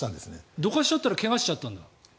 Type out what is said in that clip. どかしちゃったら怪我しちゃったんだ。